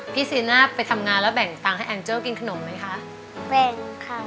พี่สีหน้าไปทำงานแล้วแบ่งฟังให้อังเจิลกินขนมไหมคะเป็นค่ะ